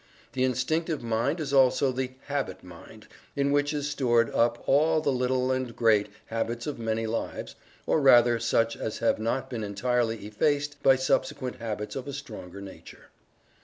The Instinctive Mind is also the "habit mind" in which is stored up all the little, and great, habits of many lives, or rather such as have not been entirely effaced by subsequent habits of a stronger nature.